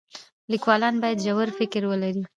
لیکوالان باید ژور فکر ولري.